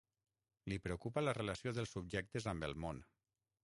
Li preocupa la relació dels subjectes amb el món.